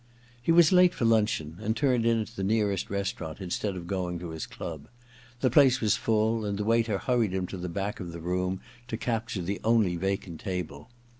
He was late for luncheon, and turned in at the nearest restaurant instead of going to his club. The place was full, and the waiter hurried him to the back of the room to capture the only vacant table.